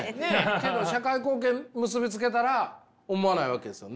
けど社会貢献結び付けたら思わないわけですよね。